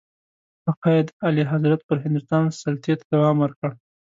فقید اعلیحضرت پر هندوستان سلطې ته دوام ورکړ.